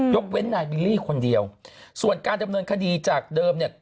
เว้นนายบิลลี่คนเดียวส่วนการดำเนินคดีจากเดิมเนี่ย